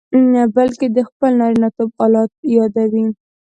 بلکې د خپل نارینتوب آلت یادوي.